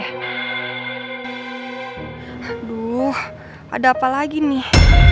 aduh ada apa lagi nih